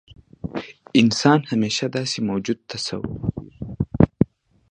انسان همیشه داسې موجود تصور کېږي.